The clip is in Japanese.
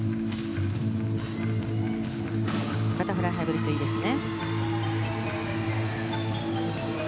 バタフライハイブリッドいいですね。